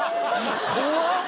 怖っ。